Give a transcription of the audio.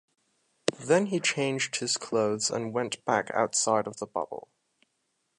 Then he changed his clothes and went back outside of the bubble.